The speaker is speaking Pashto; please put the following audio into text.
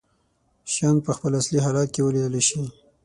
شيان په خپل اصلي حالت کې ولیدلی شي.